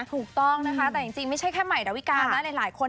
ถูกต้องนะคะแต่จริงไม่ใช่แค่ใหม่ดาวิกานะหลายคน